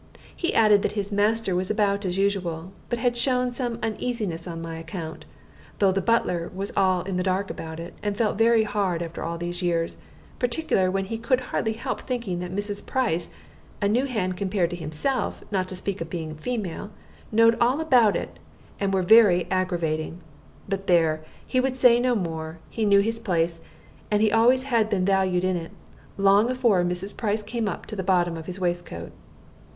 He added that his master was about as usual, but had shown some uneasiness on my account, though the butler was all in the dark about it, and felt it very hard after all these years, "particular, when he could hardly help thinking that Mrs. Price a new hand compared to himself, not to speak of being a female knowed all about it, and were very aggravating. But there, he would say no more; he knew his place, and he always had been valued in it, long afore Mrs. Price come up to the bottom of his waistcoat."